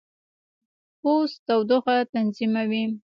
پوست تودوخه تنظیموي.